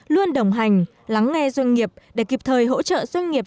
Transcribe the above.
luôn đồng hành lắng nghe doanh nghiệp để kịp thời hỗ trợ doanh nghiệp